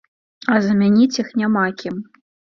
А замяніць іх няма кім.